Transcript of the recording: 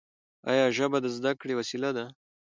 ایا ژبه د زده کړې وسیله ده؟